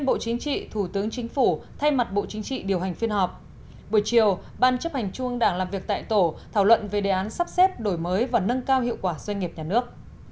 buổi chiều ban chấp hành trung đảng làm việc tại tổ thảo luận về đề án sắp xếp đổi mới và nâng cao hiệu quả doanh nghiệp nhà nước